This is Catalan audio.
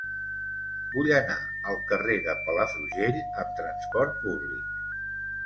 Vull anar al carrer de Palafrugell amb trasport públic.